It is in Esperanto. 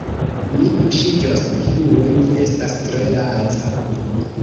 Mi kuŝiĝos frue, mi estas tre laca.